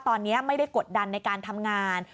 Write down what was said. ตอนนี้ไม่ได้กดดันในการทำงาน